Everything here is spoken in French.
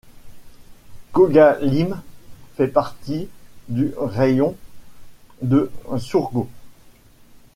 Kogalym fait partie du raïon de Sourgout.